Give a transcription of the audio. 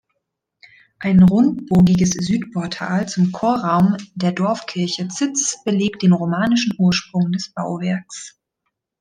Ein rundbogiges Südportal zum Chorraum der Dorfkirche Zitz belegt den romanischen Ursprung des Bauwerks.